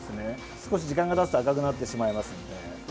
少し時間がたつと赤くなってしまいますので。